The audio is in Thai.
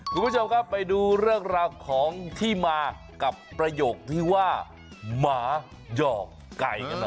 คุณผู้ชมครับไปดูเรื่องราวของที่มากับประโยคที่ว่าหมาหยอกไก่กันหน่อย